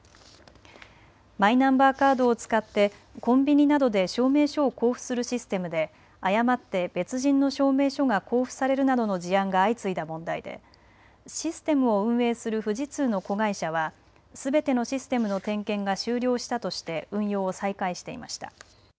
マイナンバーカードを使ってコンビニなどで証明書を交付するシステムで誤って別人の証明書が交付されるなどの事案が相次いだ問題でシステムを運営する富士通の子会社はすべてのシステムの点検が終了したとして運用を再開していました。